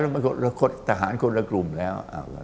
เรามาคดระชินประหารคนละกลุ่มแล้ว